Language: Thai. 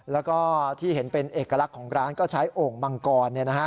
แล้วก็ที่เห็นเป็นเอกลักษณ์ของร้านก็ใช้โอ่งมังกร